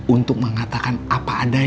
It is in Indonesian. untuk mengatakan apa adanya